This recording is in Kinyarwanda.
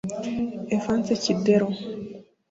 Evans Kidero